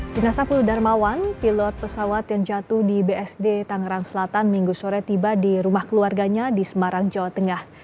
jenasa pulu darmawan pilot pesawat yang jatuh di bsd tangerang selatan minggu sore tiba di rumah keluarganya di semarang jawa tengah